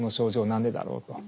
何でだろう」と。